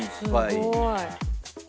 すごい！